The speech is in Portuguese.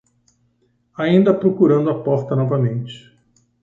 Ainda procurando a porta novamente